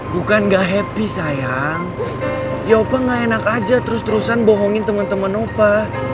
bukan gak happy sayang ya opa gak enak aja terus terusan bohongin teman teman opa